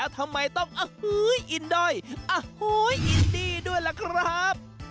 ทำไมต้องอฮืออินดอยอฮือออินดีด้วยล่ะครับ